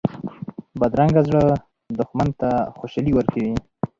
بدرنګه زړه دښمن ته خوشحالي ورکوي